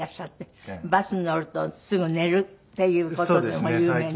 バスに乗るとすぐ寝るっていう事でも有名な。